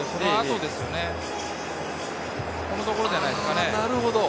このところじゃないですか？